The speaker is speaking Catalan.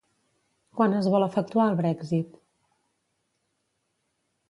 Quan es vol efectuar el Brexit?